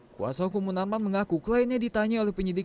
kuasa hukum munarman mengaku kliennya ditanya oleh penyidik